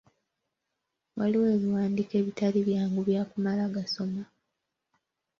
Waliwo ebiwandiiko ebitali byangu byakumala gasoma.